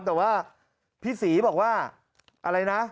แต่ว่าพี่ศรีบอกว่าอะไรนะ